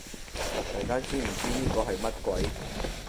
大家知唔知呢個係乜鬼